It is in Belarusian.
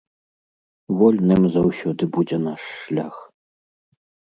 Вольным заўсёды будзе наш шлях!